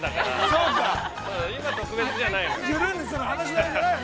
◆今が特別じゃないから。